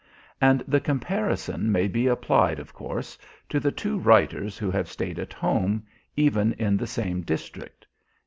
And the comparison may be applied, of course, to the two writers who have stayed at home, even in the same district.